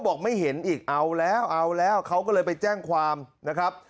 บอกไม่เห็นอีกเอาแล้วเอาแล้วเขาก็เลยไปแจ้งความนะครับ